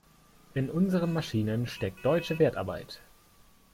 In unseren Maschinen steckt deutsche Wertarbeit.